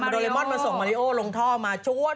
โดเรมอนมาส่งมาริโอลงท่อมาช่วย